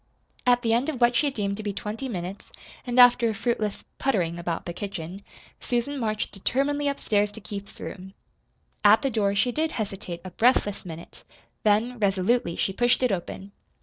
At the end of what she deemed to be twenty minutes, and after a fruitless "puttering" about the kitchen, Susan marched determinedly upstairs to Keith's room. At the door she did hesitate a breathless minute, then, resolutely, she pushed it open.